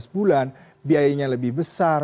lima belas bulan biayanya lebih besar